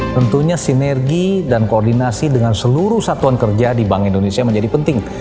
tentunya sinergi dan koordinasi dengan seluruh satuan kerja di bank indonesia menjadi penting